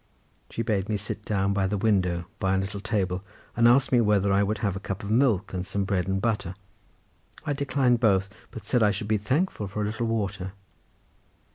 She bade me sit down by the window by a little table, and asked me whether I would have a cup of milk and some bread and butter; I declined both, but said I should be thankful for a little water.